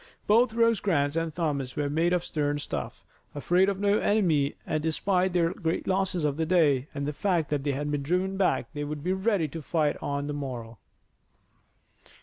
Both Rosecrans and Thomas were made of stern stuff. Afraid of no enemy, and, despite their great losses of the day and the fact that they had been driven back, they would be ready to fight on the morrow.